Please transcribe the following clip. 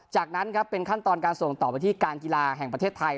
จากนั้นครับเป็นขั้นตอนการส่งต่อไปที่การกีฬาแห่งประเทศไทย